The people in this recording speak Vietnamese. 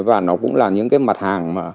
và nó cũng là những cái mặt hàng